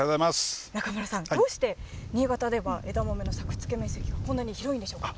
中村さん、どうして新潟では枝豆の作付面積、こんなに広いんでしょうか。